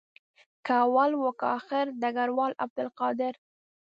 که اول وو که آخر ډګروال عبدالقادر.